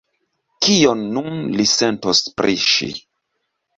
Kion nun li sentos pri ŝi?